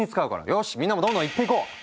よしみんなもどんどん言っていこう。